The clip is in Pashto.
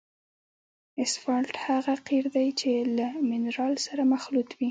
اسفالټ هغه قیر دی چې له منرال سره مخلوط وي